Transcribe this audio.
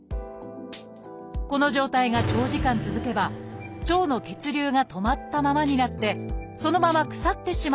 この状態が長時間続けば腸の血流が止まったままになってそのまま腐ってしまう可能性があります